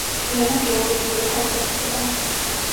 მთლიანად გეოლოგიური კონცეფციაა.